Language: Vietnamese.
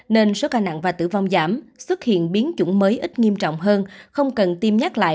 nên số ca nặng và tử vong giảm xuất hiện biến chủng mới ít nghiêm trọng hơn không cần tiêm nhắc lại